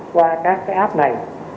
qua các cái app này